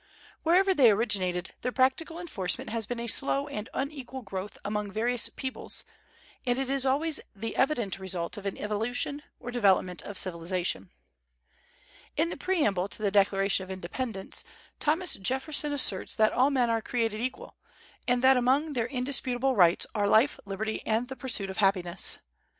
Wherever they originated, their practical enforcement has been a slow and unequal growth among various peoples, and it is always the evident result of an evolution, or development of civilization. In the preamble to the Declaration of Independence, Thomas Jefferson asserts that "all men are created equal," and that among their indisputable rights are "life, liberty, and the pursuit of happiness."